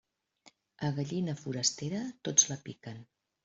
A gallina forastera tots la piquen.